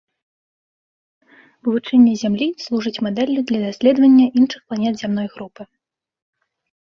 Вывучэнне зямлі служыць мадэллю для даследавання іншых планет зямной групы.